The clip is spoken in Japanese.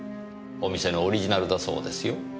お店のオリジナルだそうですよ。